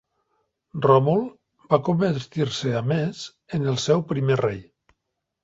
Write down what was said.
Ròmul va convertir-se a més en el seu primer rei.